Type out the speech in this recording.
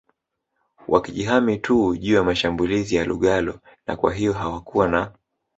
wakijihami tu juu ya mashambulizi ya lugalo na kwahiyo hawakuwa na